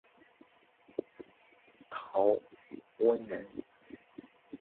陶弼人。